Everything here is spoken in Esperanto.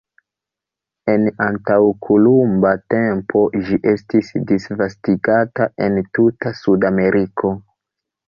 En antaŭkolumba tempo ĝi estis disvastigata en tuta Sudameriko.